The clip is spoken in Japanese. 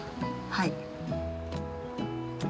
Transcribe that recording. はい。